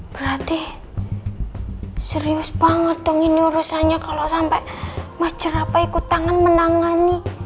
berarti serius banget dong ini urusannya kalau sampai mas jerapa ikut tangan menangani